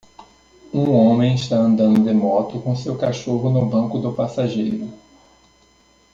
Um homem está andando de moto com seu cachorro no banco do passageiro.